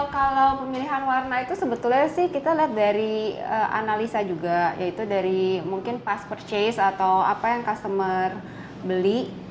kalau pemilihan warna itu sebetulnya sih kita lihat dari analisa juga yaitu dari mungkin past purchase atau apa yang customer beli